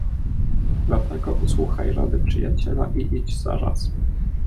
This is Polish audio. "Dlatego usłuchaj rady przyjaciela i idź zaraz."